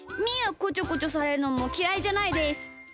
みーはこちょこちょされるのもきらいじゃないです。